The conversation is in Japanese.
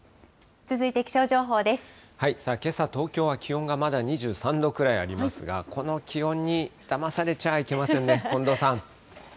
けさ、東京は気温がまだ２３度くらいありますが、この気温にだまされちゃいけませんね。